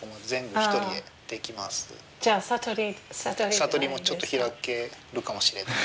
悟りもちょっと開けるかもしれない。